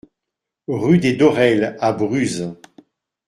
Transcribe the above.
Rue des Dorelles à Bruz